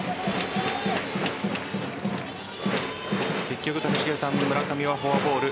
結局、谷繁さん村上はフォアボール。